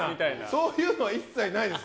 そういうのは一切ないです！